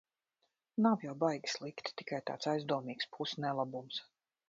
Nav jau baigi slikti, tikai tāds aizdomīgs pus-nelabums.